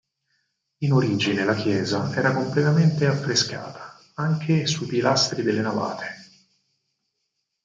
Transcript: In origine la chiesa era completamente affrescata, anche sui pilastri delle navate.